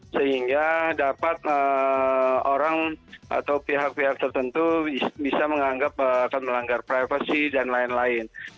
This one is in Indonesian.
sehingga dapat orang atau pihak pihak tertentu bisa menganggap akan melanggar privasi dan lain lain